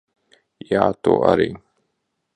Jā, tu arī.